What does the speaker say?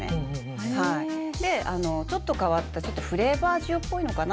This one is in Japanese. あのちょっと変わったフレーバー塩っぽいのかな。